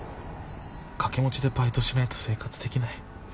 掛け持ちでバイトしないと生活できない。